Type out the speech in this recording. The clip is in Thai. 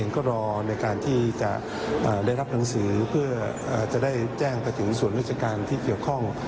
ก็รอในการที่จะได้รับหนังสือเพื่อจะได้แจ้งไปถึงส่วนราชการที่เกี่ยวข้อง